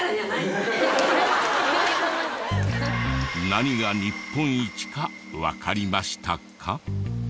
何が日本一かわかりましたか？